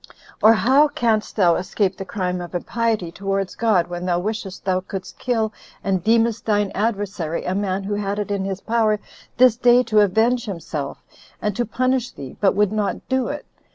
Or how canst thou escape the crime of impiety towards God, when thou wishest thou couldst kill, and deemest thine adversary, a man who had it in his power this day to avenge himself, and to punish thee, but would not do it?